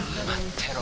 てろ